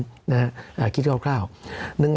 วันหนึ่งก็อยู่ที่ประมาณ๑ล้าน๒แสนชิ้น